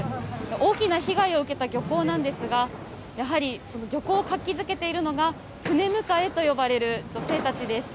大きな被害を受けた漁港なんですが、やはり漁港を活気づけているのが、船迎えと呼ばれる女性たちです。